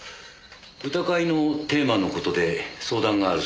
歌会のテーマの事で相談があるそうだね？